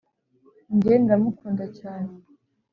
njye nda mukunda cyane